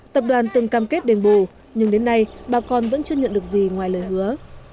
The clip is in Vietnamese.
tập đoàn từng cam kết đền bù nhưng đến nay bà con vẫn chưa nhận được gì ngoài lời hứa